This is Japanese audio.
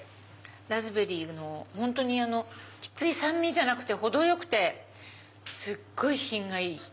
ラズベリーも本当にきつい酸味じゃなくて程よくてすっごい品がいい。